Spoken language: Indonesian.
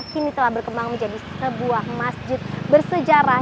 kini telah berkembang menjadi sebuah masjid bersejarah